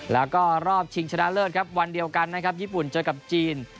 แล้วก็รอบชิงชนะเลิศครับวันเดียวกันนะครับญี่ปุ่นเจอกับจีน